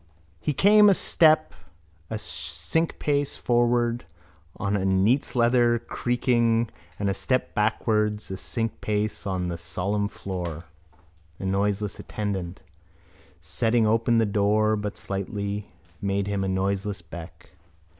He came a step a sinkapace forward on neatsleather creaking and a step backward a sinkapace on the solemn floor. A noiseless attendant setting open the door but slightly made him a noiseless beck.